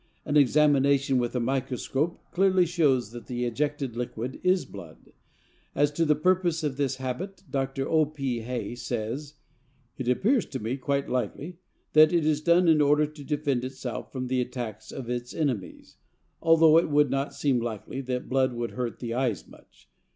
An examination with a microscope clearly shows that the ejected liquid is blood. As to the purpose of this habit, Dr. O. P. Hay says: "It appears to me quite likely that it is done in order to defend itself from the attacks of its enemies, although it would not seem likely that blood would hurt the eyes much.